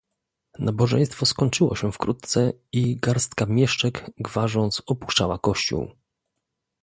"Nabożeństwo skończyło się wkrótce i garstka mieszczek, gwarząc, opuszczała kościół."